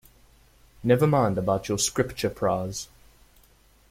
Never mind about your Scripture prize.